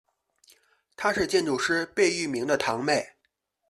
她是建筑师贝聿铭的堂妹。